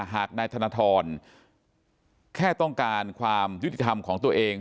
หากนายธนทรแค่ต้องการความยุติธรรมของตัวเอง